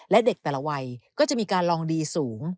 และเด็กแต่ละวัยก็จะมีการลองดีสูง